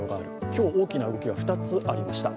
今日、大きな動きが２つありました。